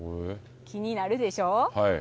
気になるでしょう。